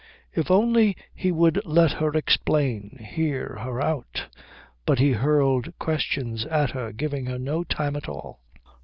If only he would let her explain, hear her out; but he hurled questions at her, giving her no time at all.